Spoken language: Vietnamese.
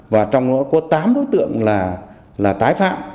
và trong đó có tám đối tượng là tái phạm